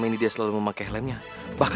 ini aku jadi jalan mbak